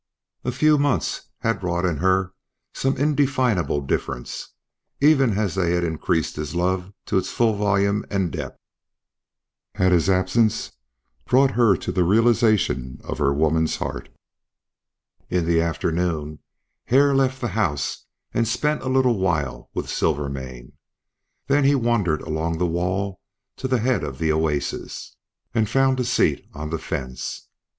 A few months had wrought in her some indefinable difference, even as they had increased his love to its full volume and depth. Had his absence brought her to the realization of her woman's heart? In the afternoon Hare left the house and spent a little while with Silvermane; then he wandered along the wall to the head of the oasis, and found a seat on the fence.